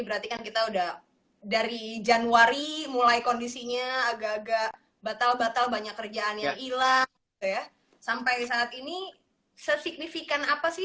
berarti kan kita udah dari januari mulai kondisinya agak agak batal batal banyak kerjaan yang hilang sampai saat ini sesignifikan apa sih